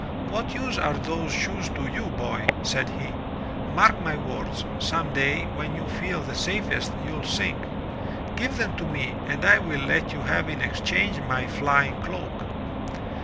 "What use are those shoes to you, boy?" said he. "Mark my words, some day when you feel the safest, you'll sink. Give them to me and I will let you have in exchange my flying cloak.